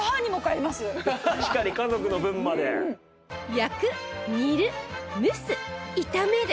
焼く煮る蒸す炒める！